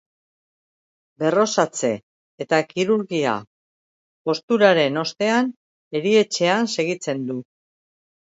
Berrosatze eta kirurgia-josturaren ostean erietxean segitzen du.